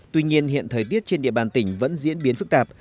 tuy nhiên hiện thời tiết trên địa bàn tỉnh vẫn diễn biến phức tạp